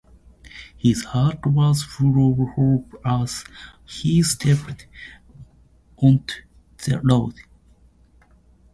His heart was full of hope as he stepped onto the road.